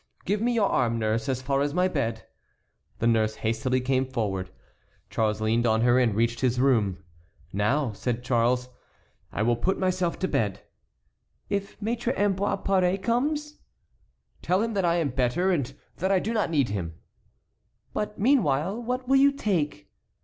Give me your arm, nurse, as far as my bed." The nurse hastily came forward. Charles leaned on her and reached his room. "Now," said Charles, "I will put myself to bed." "If Maître Ambroise Paré comes?" "Tell him that I am better and that I do not need him." "But, meanwhile, what will you take?"